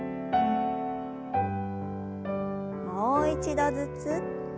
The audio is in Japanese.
もう一度ずつ。